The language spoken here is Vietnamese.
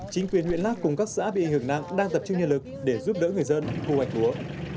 chính quyền huyện lát cùng các xã bị hưởng nặng đang tập trung nhân lực để giúp đỡ người dân thu hoạch lúa